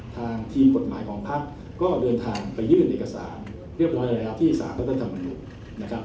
ทางทีมกฎหมายของภักดิ์ก็เดินทางไปยื่นเอกสารเรียบร้อยแล้วที่สารรัฐธรรมนุนนะครับ